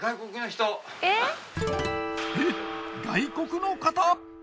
えっ外国の方！？